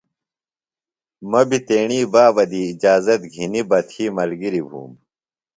مہ بیۡ تیݨی بابہ دی اجازت گِھنیۡ بہ تھی ملگِریۡ بُھوم۔